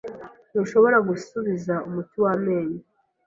Ntushobora gusubiza umuti wamenyo.